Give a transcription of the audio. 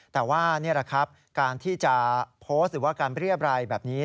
แต่ว่านี่แหละครับการที่จะโพสต์หรือว่าการเรียบรายแบบนี้